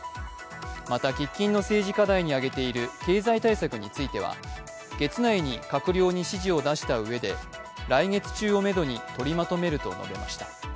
また、喫緊の政治課題に挙げている経済対策については、月内に閣僚に指示を出したうえで来月中をめどに取りまとめると述べました。